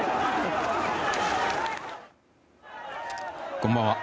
こんばんは。